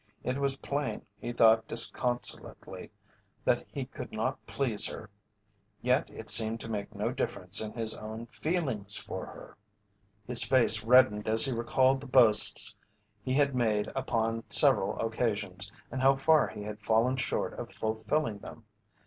It was plain, he thought disconsolately, that he could not please her, yet it seemed to make no difference in his own feelings for her. His face reddened as he recalled the boasts he had made upon several occasions and how far he had fallen short of fulfilling them.